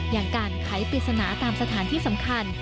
อย่างการไขปริศนาตามสถานที่สำคัญ